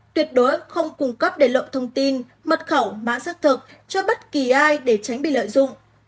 tuyệt đối không cung cấp để lộng thông tin mật khẩu mã xác thực cho bất kỳ ai để tránh bị lợi dụng